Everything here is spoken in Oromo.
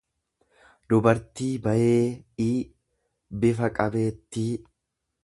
dubartii bayeeii, bifa qabeettii.